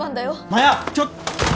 マヤちょっ！